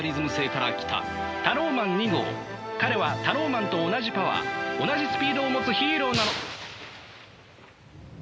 彼はタローマンと同じパワー同じスピードを持つヒーローなの。